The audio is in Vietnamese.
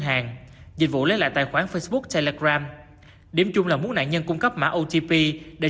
hàng dịch vụ lấy lại tài khoản facebook telegram điểm chung là mỗi nạn nhân cung cấp mã otp để